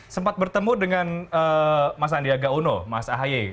sempat bertemu dengan mas sandiaga uno mas ahaye